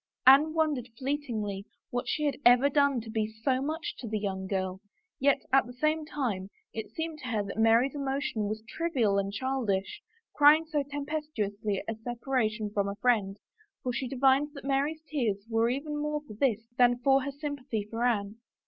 Anne wondered fleetingly what she had ever done to be so much to the young girl, yet at the same time it seemed to her that Mary's emo tion was trivial and childish, crying so tempestuously at a separation from a friend, for she divined that Mary's tears were even more for this than for her sympathy for Anne.